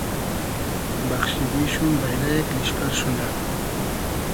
بئخشیگی شوم بݷلۂ یئگ لیشپئر شونۂ